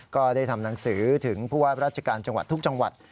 ก็ได้ทำหนังสือถึงผู้ว่าราชการจังหวัดทุกจังหวัด